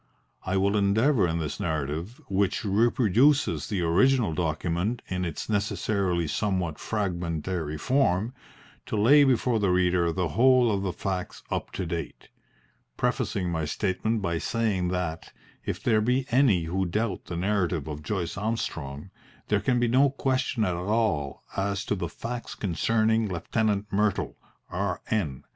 I will endeavour in this narrative, which reproduces the original document in its necessarily somewhat fragmentary form, to lay before the reader the whole of the facts up to date, prefacing my statement by saying that, if there be any who doubt the narrative of Joyce Armstrong, there can be no question at all as to the facts concerning Lieutenant Myrtle, R.N.